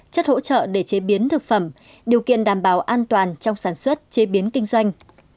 chất hỗ trợ để chế biến thực phẩm điều kiện đảm bảo an toàn trong sản xuất chế biến kinh doanh